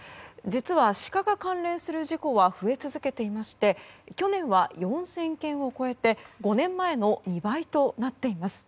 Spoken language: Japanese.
実は、シカが関連する事故は増え続けていまして去年は４０００件を超えて５年前の２倍となっています。